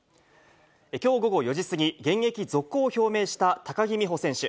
きょう午後４時過ぎ、現役続行を表明した高木美帆選手。